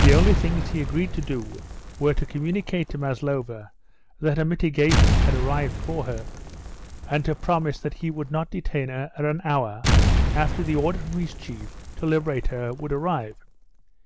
The only things he agreed to do were to communicate to Maslova that a mitigation had arrived for her, and to promise that he would not detain her an hour after the order from his chief to liberate her would arrive.